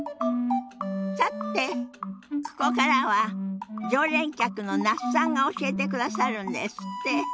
さてここからは常連客の那須さんが教えてくださるんですって。